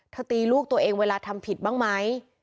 ตีลูกตัวเองเวลาทำผิดบ้างไหม